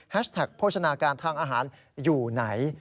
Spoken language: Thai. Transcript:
แท็กโภชนาการทางอาหารอยู่ไหน